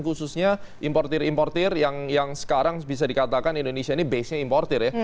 khususnya importer importer yang sekarang bisa dikatakan indonesia ini basenya importer